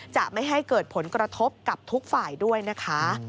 จะไม่ให้เกิดผลกระทบกับทุกฝ่ายด้วยนะคะ